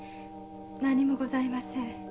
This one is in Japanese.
何もございません。